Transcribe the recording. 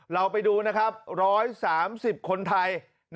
เราไปดูสามสิบคนไทย